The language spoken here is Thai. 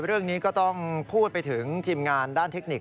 เรื่องนี้ก็ต้องพูดไปถึงทีมงานด้านเทคนิค